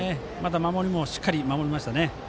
守りもしっかり守りましたね。